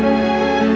apa kami juga